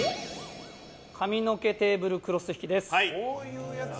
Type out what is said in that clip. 髪の毛テーブルクロス引きです。